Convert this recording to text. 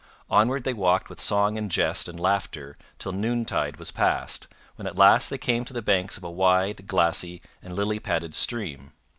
Onward they walked with song and jest and laughter till noontide was passed, when at last they came to the banks of a wide, glassy, and lily padded stream.